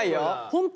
本当？